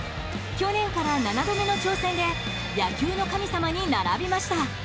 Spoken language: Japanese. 去年から７度目の挑戦で野球の神様に並びました。